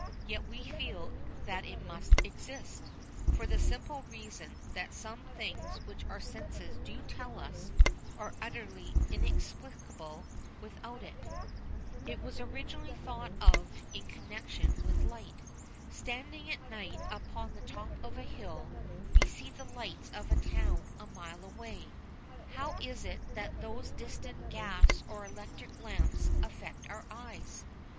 Yet we feel that it must exist, for the simple reason that some things which our senses do tell us of are utterly inexplicable without it. It was originally thought of in connection with light. Standing at night upon the top of a hill, we see the lights of a town a mile away. How is it that those distant gas or electric lamps affect our eyes?